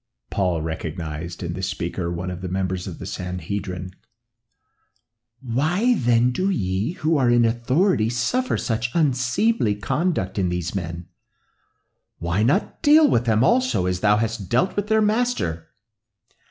Saul recognized in the speaker one of the members of the Sanhedrim. "Why then do ye, who are in authority, suffer such unseemly conduct in these men? Why not deal with them also as thou hast dealt with their Master?"